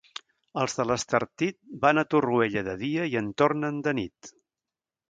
Els de l'Estartit van a Torroella de dia i en tornen de nit.